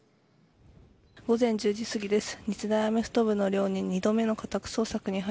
午前１０時過ぎです。